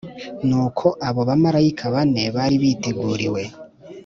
Nuko abo bamarayika bane bari biteguriwe